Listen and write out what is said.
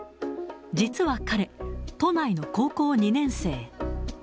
実は彼、都内の高校２年生。